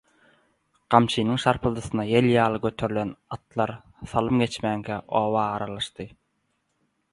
Gamçynyň şarpyldysyna ýel ýaly göterilen atlar salym geçmänkä oba aralaşdy.